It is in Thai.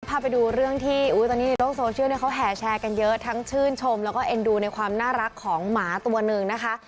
พาไปดูเรื่องที่ตอนนี้ในโลกโซเชียลเขาแห่แชร์กันเยอะทั้งชื่นชมแล้วก็เอ็นดูในความน่ารักของหมาตัวหนึ่งนะคะ